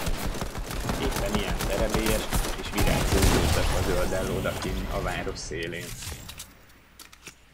Éppen ilyen terebélyes és virágzó bodzafa zöldell odakinn a város szélén.